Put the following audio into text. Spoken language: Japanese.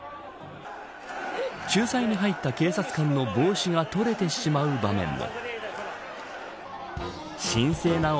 仲裁に入った警察官の帽子が取れてしまう場面も。